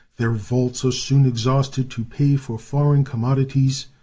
Their vaults are soon exhausted to pay for foreign commodities.